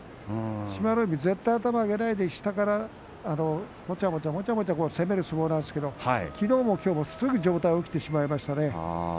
志摩ノ海、絶対に頭を上げないで下からもちゃもちゃもちゃもちゃ攻める相撲なんですけれどきのうもきょうもすぐに上体が起きてしまいましたね。